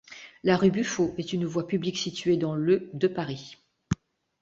La rue Buffault est une voie publique située dans le de Paris.